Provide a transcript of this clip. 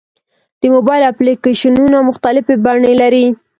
د موبایل اپلیکیشنونه مختلفې بڼې لري.